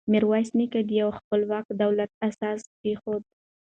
میرویس نیکه د یوه خپلواک دولت اساس کېښود.